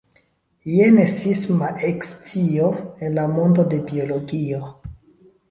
Jen sisma ekscio en la mondo de biologio.